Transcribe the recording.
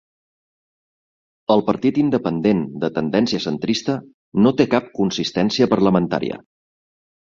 El Partit Independent, de tendència centrista, no té cap consistència parlamentària.